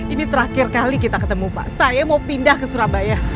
ini terakhir kali kita ketemu pak saya mau pindah ke surabaya